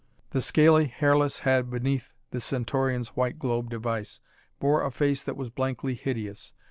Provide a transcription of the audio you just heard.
The scaly hairless head beneath the Centaurian's white globe device bore a face that was blankly hideous.